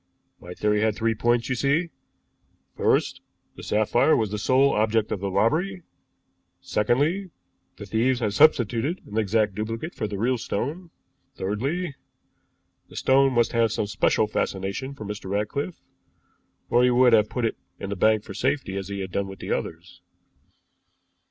My theory had three points, you see. First, the sapphire was the sole object of the robbery; secondly, the thieves had substituted an exact duplicate for the real stone; thirdly, the stone must have some special fascination for Mr. Ratcliffe, or he would have put it in the bank for safety as he had done with others."